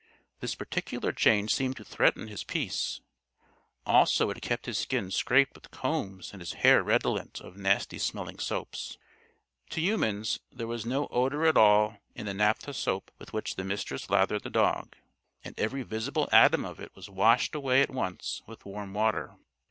This particular change seemed to threaten his peace; also it kept his skin scraped with combs and his hair redolent of nasty smelling soaps. To humans there was no odor at all in the naphtha soap with which the Mistress lathered the dog, and every visible atom of it was washed away at once with warm water.